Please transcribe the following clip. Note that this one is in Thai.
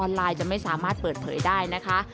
ไลน์จะไม่สามารถเปิดเผยได้นะคะ